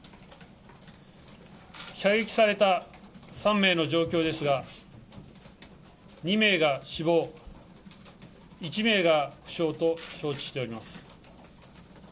射撃された３名の状況ですが、２名が死亡、１名が負傷と承知しております。